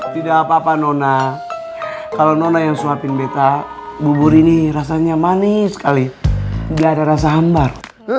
tidak apa apa nona kalo nona yang suapin betta bubur ini rasanya manis sekali gak ada rasa hambar